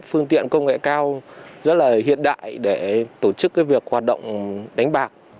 phương tiện công nghệ cao rất là hiện đại để tổ chức việc hoạt động đánh bạc